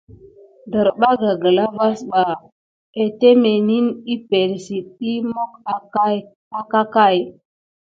Derbaga gla vas ɓa aks itémeni epəŋle si de mok akakay.